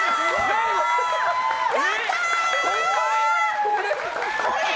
やったー！